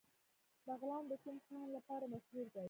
بغلان د کوم کان لپاره مشهور دی؟